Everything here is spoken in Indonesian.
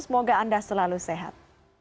semoga anda selalu sehat